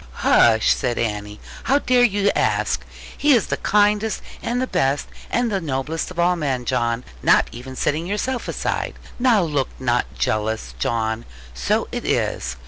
'Hush!' said Annie: 'how dare you ask? He is the kindest, and the best, and the noblest of all men, John; not even setting yourself aside. Now look not jealous, John: so it is.